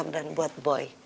dan buat boy